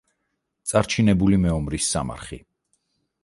წარჩინებული მეომრის სამარხი.